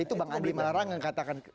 itu bang andi malarangan katakan